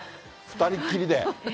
２人きりで。